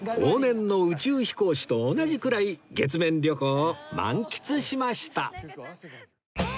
往年の宇宙飛行士と同じくらい月面旅行を満喫しました